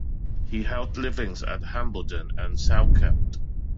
He held livings at Hambleden and Salkeld.